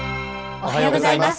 おはようございます。